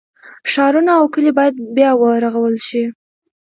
ښارونه او کلي باید بیا ورغول شي.